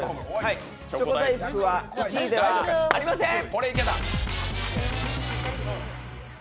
チョコ大福は１位ではありません！